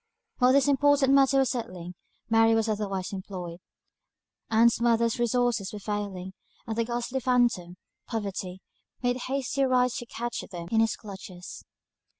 While this important matter was settling, Mary was otherwise employed. Ann's mother's resources were failing; and the ghastly phantom, poverty, made hasty strides to catch them in his clutches.